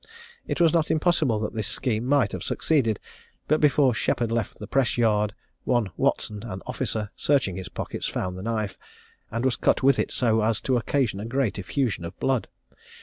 It was not impossible that this scheme might have succeeded; but before Sheppard left the press yard, one Watson, an officer, searching his pockets, found the knife, and was cut with it so as to occasion a great effusion of blood.